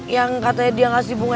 yang katanya dia ngasih bunga